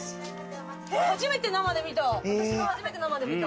初めて生で見た。